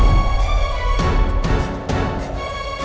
kita harus berubah